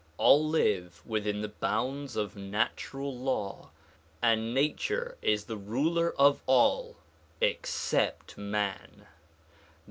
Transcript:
All live within the bounds of natural law, and nature is the ruler of all except man.